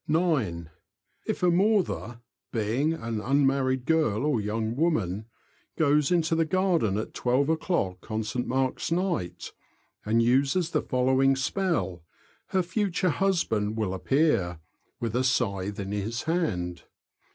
(9.) If an unmarried girl, or young woman (maw ther), goes into the garden at twelve o'clock on St. Mark's night, and uses the following spell, her future husband will appear, with a scythe in his hand.